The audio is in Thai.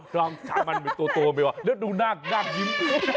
ช้างมันมีตัวไหมวะแล้วดูหน้าน่ายิ้ม